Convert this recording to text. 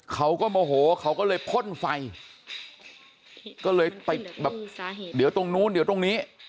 เขาก็โมโหเขาก็เลยพ่นไฟก็เลยติดแบบเดี๋ยวตรงนู้นเดี๋ยวตรงนี้